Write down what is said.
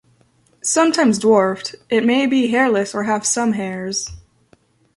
Sometimes dwarfed, it may be hairless or have some hairs.